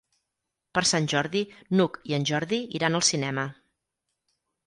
Per Sant Jordi n'Hug i en Jordi iran al cinema.